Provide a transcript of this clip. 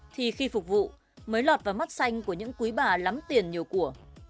thì khi phục vụ mới lọt vào mắt xanh của những quý bà lắm tiền nhiều của